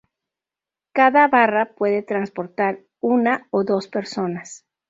Cada barra puede transportar una o dos personas.